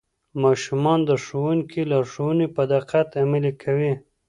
ماشومان د ښوونکي لارښوونې په دقت عملي کوي